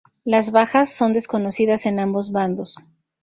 Las bajas son desconocidas en ambos bandos.